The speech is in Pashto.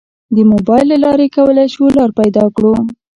د موبایل له لارې کولی شو لار پیدا کړو.